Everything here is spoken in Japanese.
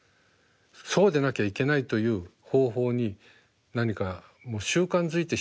そうでなきゃいけないという方法に何かもう習慣づいてしまってるんじゃないか。